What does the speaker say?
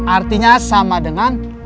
artinya sama dengan